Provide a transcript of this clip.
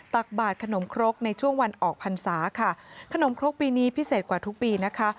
ตักบาทขนมครกในช่วงวันออกพรรษาค่ะขนมครกปีนี้พิเศษกว่าทุกปีนะคะ